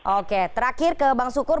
oke terakhir ke bang sukur